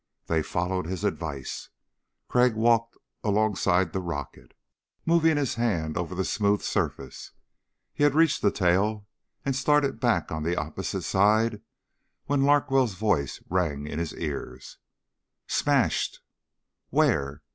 They followed his advice. Crag walked alongside the rocket, moving his hand over the smooth surface. He had reached the tail and started back on the opposite side when Larkwell's voice rang in his ears. "Smashed!" "Where?"